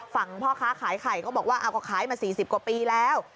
พ่อค้าขายไข่ก็บอกว่าก็ขายมา๔๐กว่าปีแล้ว